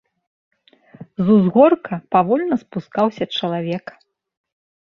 З узгорка павольна спускаўся чалавек.